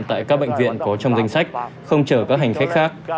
tại các bệnh viện có trong danh sách không chở các hành khách khác